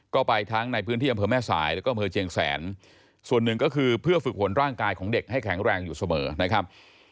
ก็ไปทั้งในพื้นที่อำเภอแม่สายแล้วก็อำเภอเชียงแสนส่วนหนึ่งก็คือเพื่อฝึกผลร่างกายของเด็กให้แข็งแรงอยู่เสมอนะครับ